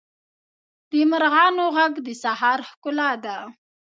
د مرغانو ږغ د سهار ښکلا ده.